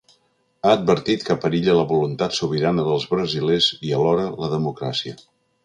Ha advertit que perilla la voluntat sobirana dels brasilers i, alhora, la democràcia.